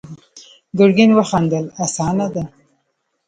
ګرګين وخندل: اسانه ده.